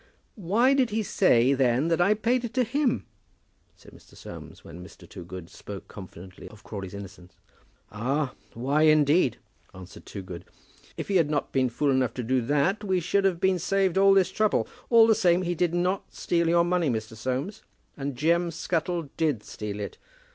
"Why did he say then that I paid it to him?" said Mr. Soames, when Mr. Toogood spoke confidently of Crawley's innocence. "Ah, why indeed?" answered Toogood. "If he had not been fool enough to do that, we should have been saved all this trouble. All the same, he did not steal your money, Mr. Soames; and Jem Scuttle did steal it.